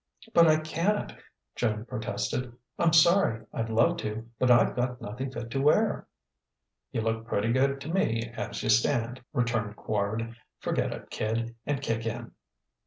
"But I can't," Joan protested. "I'm sorry I'd love to but I've got nothing fit to wear." "You look pretty good to me as you stand," returned Quard. "Forget it, kid, and kick in."